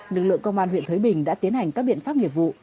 lực lượng công an huyện thới bình đã tiến hành các biện pháp nghiệp vụ